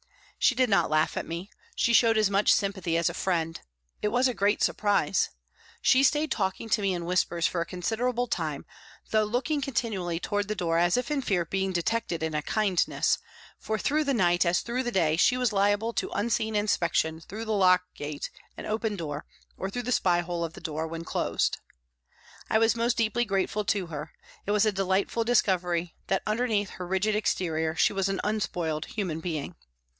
She did not laugh at me, she showed as much sympathy as a friend. It was a great surprise. She stayed talking to me in whispers for a consider able time, though looking continually towards the door as if in fear of being detected in a kindness, for through the night as through the day, she was liable to unseen inspection through the locked gate and open door, or through the spy hole of the door when closed. I was most deeply grateful to her, it was a delightful discovery that underneath her rigid exterior she was an unspoiled human being.